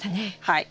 はい。